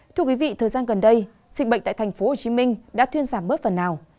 thưa quý vị thời gian gần đây dịch bệnh tại tp hcm đã thuyên giảm bớt phần nào